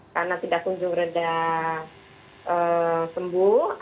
karena tidak kunjung reda sembuh